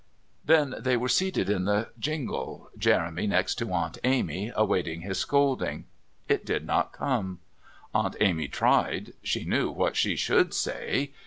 Then they were seated in the jingle, Jeremy next to Aunt Amy, awaiting his scolding. It did not come. Aunt Amy tried; she knew what she should say.